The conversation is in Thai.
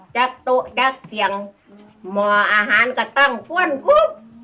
จากตู้จากเสียงหมออาหารก็ตั้งฟุ้นฟุ้บ